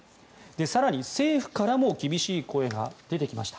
更に、政府からも厳しい声が出てきました。